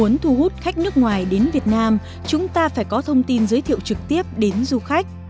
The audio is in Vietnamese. để muốn thu hút khách nước ngoài đến việt nam chúng ta phải có thông tin giới thiệu trực tiếp đến du khách